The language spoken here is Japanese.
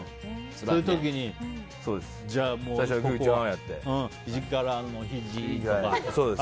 そういう時にひじからのひじとか。